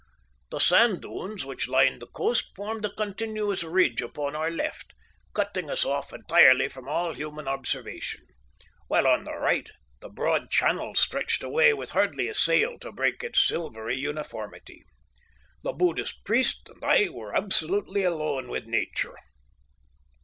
The sand dunes which lined the coast formed a continuous ridge upon our left, cutting us off entirely from all human observation, while on the right the broad Channel stretched away with hardly a sail to break its silvery uniformity. The Buddhist priest and I were absolutely alone with Nature.